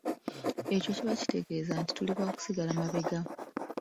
Ekyo kiba kitegeeza nti tuli ba kusigala mabega.